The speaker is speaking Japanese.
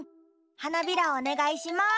はなびらをおねがいします。